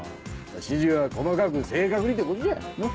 指示は細かく正確にってことじゃの。